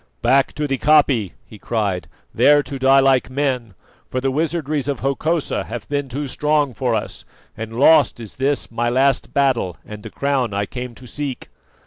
"Back to the koppie," he cried, "there to die like men, for the wizardries of Hokosa have been too strong for us, and lost is this my last battle and the crown I came to seek!"